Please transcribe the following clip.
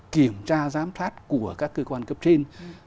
kiểm tra giám sát của các cơ quan cấp trên